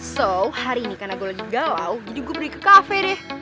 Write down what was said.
so hari ini karena gue lagi galau jadi gue pergi ke cafe deh